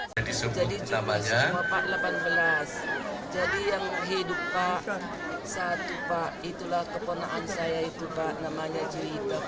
jadi yang hidup satu pak itulah keponaan saya itu pak namanya cerita pak